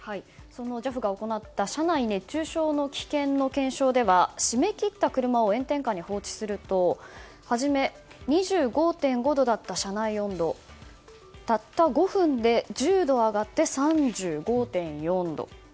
ＪＡＦが行った車内熱中症の危険の検証では締め切った車を炎天下に放置すると初め２５．５度だった車内温度たった５分で１０度上がって３５．４度。